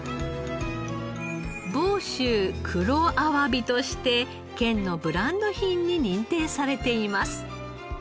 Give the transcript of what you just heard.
房州黒あわびとして県のブランド品に認定されています。